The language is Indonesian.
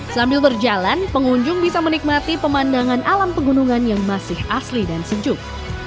sambil berjalan pengunjung bisa menikmati pemandangan alam pegunungan yang masih asli dan sejuk